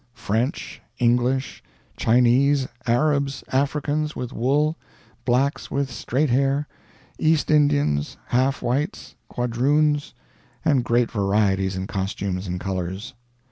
French, English, Chinese, Arabs, Africans with wool, blacks with straight hair, East Indians, half whites, quadroons and great varieties in costumes and colors.